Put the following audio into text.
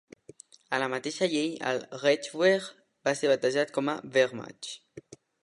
A la mateixa llei, el "Reichswehr" va ser rebatejat com "Wehrmacht".